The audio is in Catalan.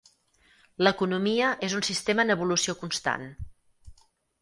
L'economia és un sistema en evolució constant.